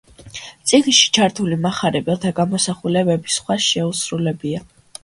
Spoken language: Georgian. წიგნში ჩართული მახარებელთა გამოსახულებები სხვას შეუსრულებია.